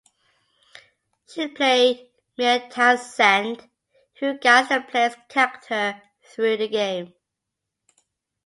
She played Mia Townsend, who guides the player's character through the game.